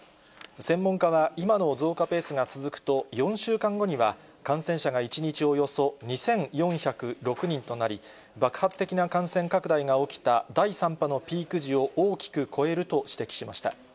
専門家は、今の増加ペースが続くと、４週間後には感染者が１日およそ２４０６人となり、爆発的な感染拡大が起きた第３波のピーク時を大きく超えると指摘しました。